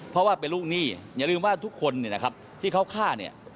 เพราะว่าเป็นลูกหนี้อย่าลืมว่าทุกคนที่เขาฆ่า